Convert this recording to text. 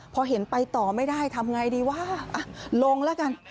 พอเห็นไปต่อไม่ได้ทำไงดีวะลงแล้วกัน